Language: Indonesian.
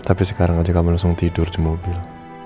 tapi sekarang aja kamu langsung tidur di mobil